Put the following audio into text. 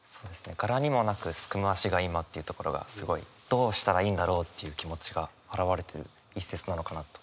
「柄にもなく竦む足が今」というところがすごいどうしたらいいんだろうっていう気持ちが表れてる一節なのかなと。